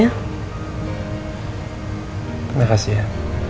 terima kasih ya